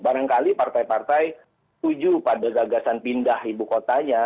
barangkali partai partai setuju pada gagasan pindah ibu kotanya